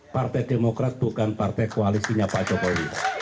partai demokrat bukan partai koalisinya pak jokowi